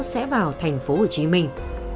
sẽ vào thành phố hồ chí minh